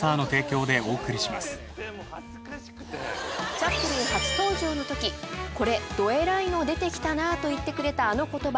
「チャップリン」初登場のとき「これどエラいの出てきたな」と言ってくれたあの言葉